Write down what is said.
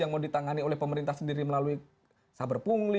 yang mau ditangani oleh pemerintah sendiri melalui saber pungli